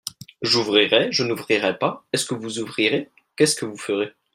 J'ouvrirai, je n'ouvrirai pas, est-ce que vous ouvrirez, qu'est-ce que vous ferez.